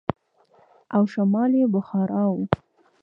او شمال يې بخارا و.